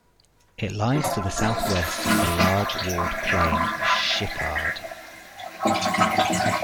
It lies to the southwest of the large walled plain Schickard.